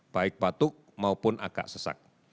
baik batuk maupun agak sesak